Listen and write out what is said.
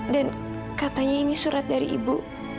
dan katanya ini surat dari ibu